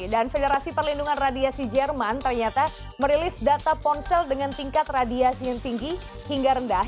dan federasi perlindungan radiasi jerman ternyata merilis data ponsel dengan tingkat radiasi yang tinggi hingga rendah